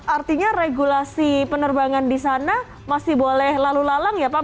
artinya regulasi penerbangan di sana masih boleh lalu lalang ya pak